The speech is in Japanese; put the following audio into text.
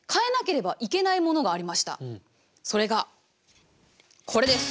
それがこれです！